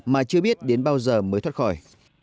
mà chưa biết đến bao giờ mới thoát khỏi